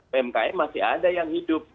pmkm masih ada yang hidup